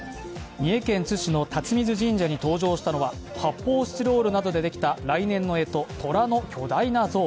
三重県津市の辰水神社に登場したのは発泡スチロールなどでできた来年の干支、とらの巨大な像。